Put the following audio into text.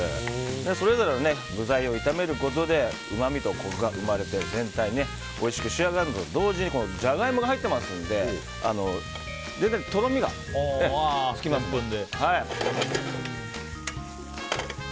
それぞれ具材を炒めることでうまみとコクが生まれて全体がおいしく仕上がると同時にジャガイモが入ってますんで全体的にとろみがつきますので。